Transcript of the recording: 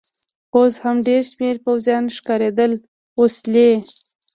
اوس هم ډېر شمېر پوځیان ښکارېدل، وسلې.